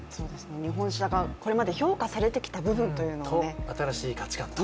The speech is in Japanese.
日本車がこれまで評価されてきた部分とね。と、新しい価値観と。